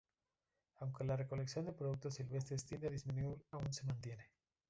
Aunque la recolección de productos silvestres tiende a disminuir, aún se mantiene.